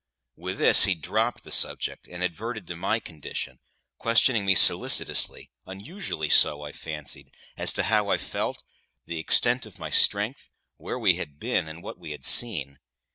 With this he dropped the subject and adverted to my condition, questioning me solicitously unusually so, I fancied as to how I felt, the extent of my strength, where we had been, and what we had seen.